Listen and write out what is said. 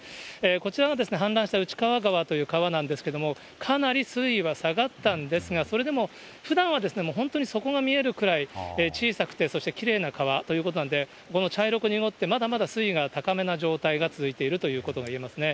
こちらの氾濫した内川川という川なんですけれども、かなり水位は下がったんですが、それでも、ふだんは本当に底が見えるくらい、小さくて、そしてきれいな川ということなんで、この茶色く濁ってまだまだ水位が高めな状態が続いているということがいえますね。